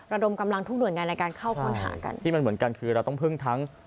ระดมกำลังทุกหน่วยงานในการเข้าค้นหากันที่มันเหมือนกันคือเราต้องพึ่งทั้ง